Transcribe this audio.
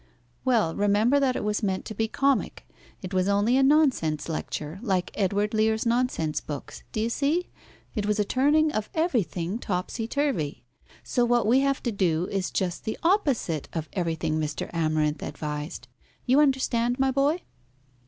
"Well, remember that it was meant to be comic. It was only a nonsense lecture, like Edward Lear's nonsense books. Do you see? It was a turning of everything topsy turvy. So what we have to do is just the opposite of everything Mr. Amarinth advised. You understand, my boy?"